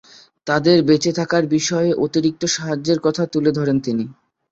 তাদের বেঁচে থাকার বিষয়ে অতিরিক্ত সাহায্যের কথাও তুলে ধরেন তিনি।